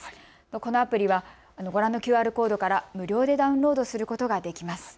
このアプリはご覧のＱＲコードから無料でダウンロードすることができます。